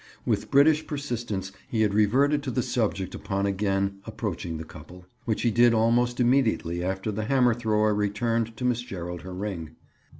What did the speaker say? With British persistence he had reverted to the subject upon again approaching the couple, which he did almost immediately after the hammer thrower returned to Miss Gerald her ring.